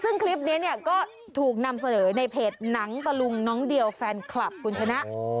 ซึ่งคลิปนี้เนี่ยก็ถูกนำเสนอในเพจหนังตะลุงน้องเดียวแฟนคลับคุณชนะ